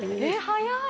早い！